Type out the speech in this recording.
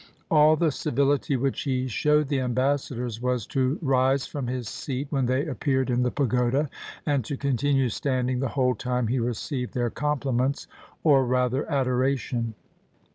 All the civility which he showed the ambassadors was to rise from his seat when they ap peared in the pagoda and to continue standing the whole time he received their compliments, or rather adoration.